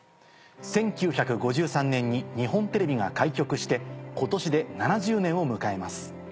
１９５３年に日本テレビが開局して今年で７０年を迎えます。